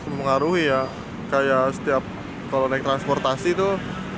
mengaruhi ya kayak setiap kalau naik transportasi tuh